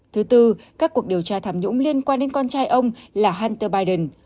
thứ tư các cuộc điều tra tham nhũng liên quan đến con trai ông là hunter biden